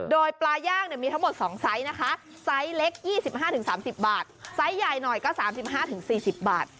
โดยปลาย่างมีทั้งหมด๒ไซส์นะคะไซส์เล็ก๒๕๓๐บาทไซส์ใหญ่หน่อยก็๓๕๔๐บาท